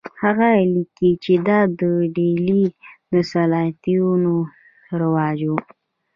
هغه لیکي چې دا د ډیلي د سلاطینو رواج و.